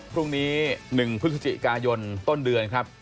พรุ่งนี้๑พฤศจิกายนต้นเดือนครับ